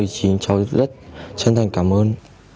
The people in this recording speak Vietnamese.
cháu rất chân thành cảm ơn